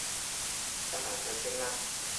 得閒再傾啦